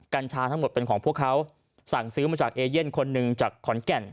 กัญชาทั้งหมดเป็นของพวกเขาสั่งซื้อมาจากเอเย่นคนหนึ่งจากขอนแก่น